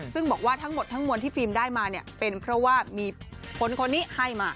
ซึ่งบอกว่าทั้งหมดทั้งมวลที่ฟิล์มได้มาเนี่ยเป็นเพราะว่ามีคนคนนี้ให้มา